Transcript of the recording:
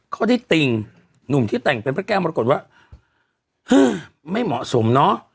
ข้อที่ติ่งหนุ่มที่แต่งเป็นพระแก้วมรกฏว่าไม่เหมาะสมเนอะ